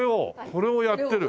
これをやってる。